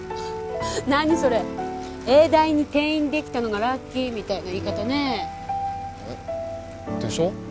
何それ永大に転院できたのがラッキーみたいな言い方ねでしょ？